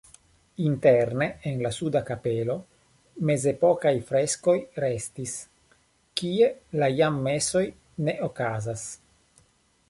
Interne en la suda kapelo mezepokaj freskoj restis, kie jam mesoj ne okazas.